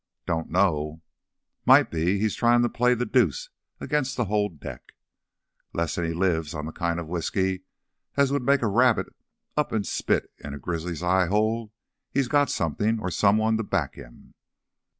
"Don't know. Might be he's tryin' to play th' deuce against th' whole deck. Lessen he lives on th' kind of whisky as would make a rabbit up an' spit in a grizzly's eye hole, he's got somethin'—or someone—to back him.